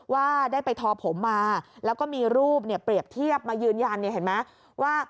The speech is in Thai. ว่าได้ไปทอนผมมาแล้วก็มีรูปเนี่ยเปรียบเทียบมายืนยันเนี่ยเห็นไหม